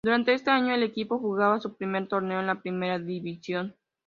Durante ese año, el equipo jugaba su primer torneo en la Primera División.